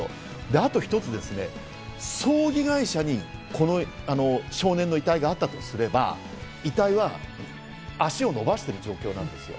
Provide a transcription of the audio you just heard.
あと一つ、葬儀会社に少年の遺体があったとすれば、遺体は足を伸ばしている状況なんですよ。